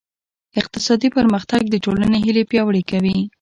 اقتصادي پرمختګ د ټولنې هیلې پیاوړې کوي.